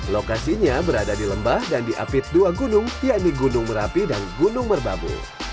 lokasinya berada di lembah dan diapit dua gunung yakni gunung merapi dan gunung merbabu